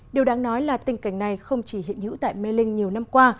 điều đáng nói là tình cảnh này không chỉ hiện hữu tại mê linh nhiều năm qua